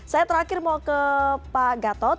saya terakhir mau ke pak gatot